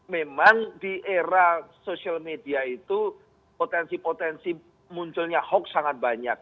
memang di era social media itu potensi potensi munculnya hoax sangat banyak